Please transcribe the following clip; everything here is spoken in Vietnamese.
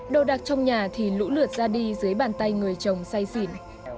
đồ đạc trong nhà thì lũ lượt ra đi dưới bàn tay người chồng say xỉn